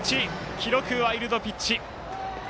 記録、ワイルドピッチ。